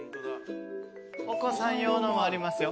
お子さん用のもありますよ。